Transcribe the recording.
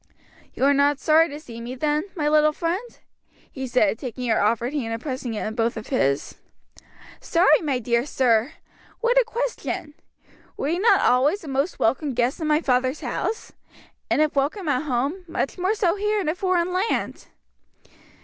"You are not sorry to see me then, my little friend?" he said, taking her offered hand and pressing it in both of his. "Sorry, my dear sir! what a question! Were you not always a most welcome guest in my father's house? and if welcome at home, much more so here in a foreign land."